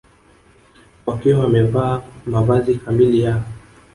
wakiwa wamevaa mavazi kamili ya